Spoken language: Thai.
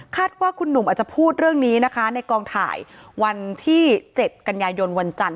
ว่าคุณหนุ่มอาจจะพูดเรื่องนี้นะคะในกองถ่ายวันที่๗กันยายนวันจันทร์